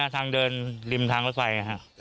เอ่อตรงประตูนี้ทางเดิน